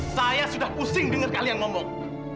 saya sudah pusing dengar kalian ngomong